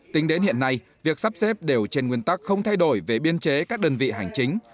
tính đến hiện nay việc sắp xếp đều trên nguyên tắc không thay đổi về biên chế các đơn vị hành chính